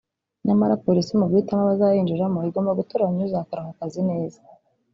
nyamara Polisi mu guhitamo abazayinjiramo igomba gutoranya uzakora ako kazi ke neza